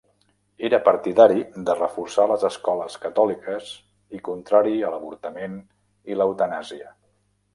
Era partidari de reforçar les escoles catòliques i contrari a l'avortament i l'eutanàsia.